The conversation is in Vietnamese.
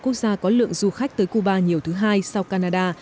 cuba có lượng du khách tới cuba nhiều thứ hai sau canada